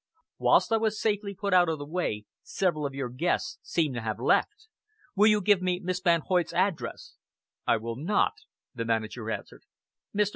Whilst I was safely put out of the way, several of your guests seem to have left. Will you give me Miss Van Hoyt's address?" "I will not," the manager answered. "Mr.